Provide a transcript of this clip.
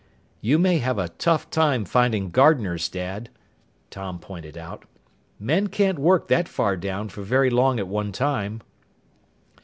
"You may have a tough time finding gardeners, Dad," Tom pointed out. "Men can't work that far down for very long at one time."